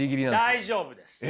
大丈夫です。